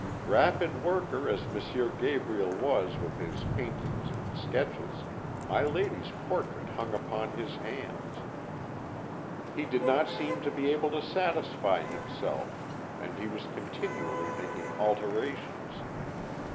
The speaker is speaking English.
"Rapid worker as M. Gabriel was with his paintings and sketches, my lady's portrait hung upon his hands; he did not seem to be able to satisfy himself, and he was continually making alterations.